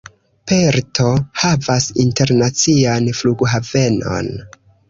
Perto havas internacian flughavenon.